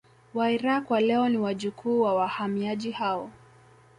Wairaqw wa leo ni wajukuu wa wahamiaji hao